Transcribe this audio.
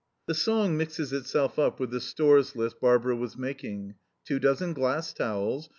The song mixes itself up with the Stores list Barbara was making: "Two dozen glass towels.